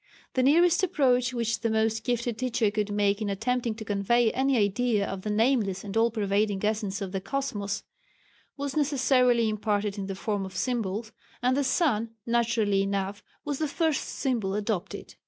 The nearest approach which the most gifted teacher could make in attempting to convey any idea of the nameless and all pervading essence of the Kosmos was necessarily imparted in the form of symbols, and the sun naturally enough was the first symbol adopted.